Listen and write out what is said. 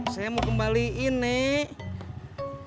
saya mau kembaliin nek